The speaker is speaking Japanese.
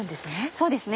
そうですね